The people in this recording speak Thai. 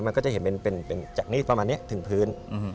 มันก็จะเห็นเป็นจากนี้ประมาณนี้ถึงพื้น